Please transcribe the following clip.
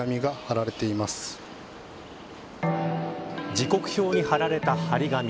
時刻表に張られた張り紙